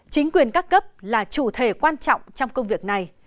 chính quyền các cấp là chủ thể quan trọng trong công việc này